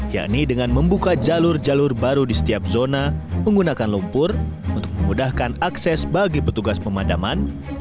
yakni dengan membuka jalur jalur baru di setiap zona menggunakan lumpur untuk memudahkan akses bagi petugas pemadaman